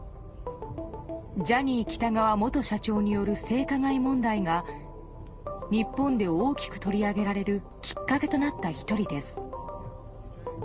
ジャニー喜多川元社長による性加害問題が日本で大きく取り上げられるきっかけとなった１人です。